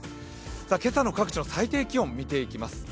今朝の各地の最低気温を見ていきます。